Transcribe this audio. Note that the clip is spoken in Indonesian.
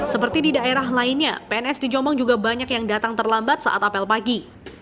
seperti di daerah lainnya pns di jombang juga banyak yang datang terlambat saat apel pagi